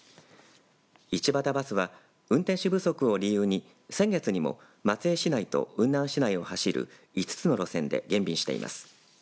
一畑バスは運転手不足を理由に先月にも松江市内と雲南市内を走る５つの路線で減便しています。